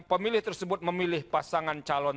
pemilih tersebut memilih pasangan calon